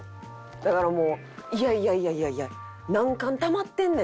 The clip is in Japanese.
だからもう「いやいやいやいやいや何貫たまってんねん！」